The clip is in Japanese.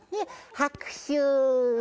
拍手。